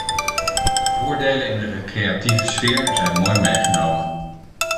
De voordelen in de recreatieve sfeer zijn mooi meegenomen.